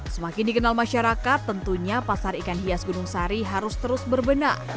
semakin dikenal masyarakat tentunya pasar ikan hias gunung sari harus terus berbenah